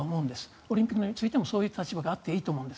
オリンピックについてもそういう立場があってもいいと思うんです。